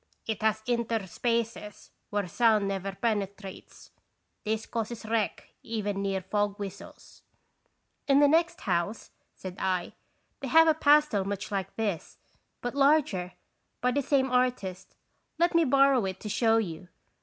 It has inter spaces where sound never penetrates; this causes wreck even near fog whistles. "" In the next house," said I, "they have a pastel much like this, but larger, by the same artist; let me borrow it to show you."